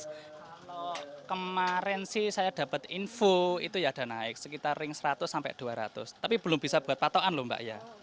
kalau kemarin sih saya dapat info itu ya ada naik sekitar ring seratus sampai dua ratus tapi belum bisa buat patokan loh mbak ya